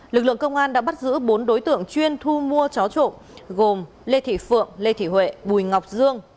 lực lượng công an đã bắt giữ bốn đối tượng chuyên thu mua chó trộn gồm lê thị phượng lê thị huệ bùi ngọc dương